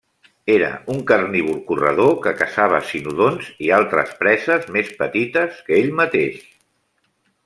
Era un carnívor corredor que caçava cinodonts i altres preses més petites que ell mateix.